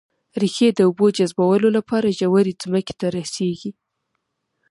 ريښې د اوبو جذبولو لپاره ژورې ځمکې ته رسېږي